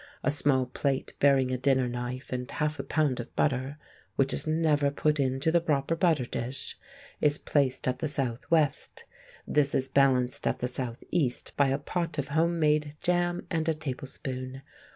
A small plate bearing a dinner knife and half a pound of butter (which is never put into the proper butter dish) is placed at the South West; this is balanced at the South East by a pot of home made jam and a tablespoon.